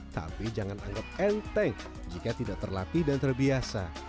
tapi jangan anggap enteng jika tidak terlatih dan terbiasa